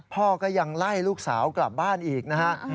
พ่อก็ยังไล่ลูกสาวกลับบ้านอีกนะฮะ